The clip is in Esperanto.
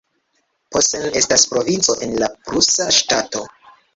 Posen estas provinco en la prusa ŝtato.